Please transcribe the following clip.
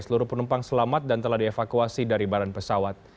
seluruh penumpang selamat dan telah dievakuasi dari barang pesawat